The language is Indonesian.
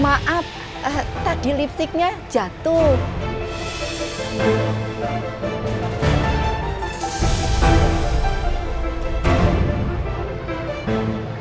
maaf tadi lipsticknya jatuh